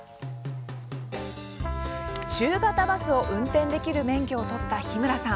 中型バスを運転できる免許を取った日村さん。